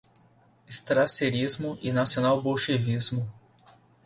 Strasserismo e nacional-bolchevismo